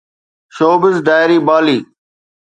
showbiz diary Bali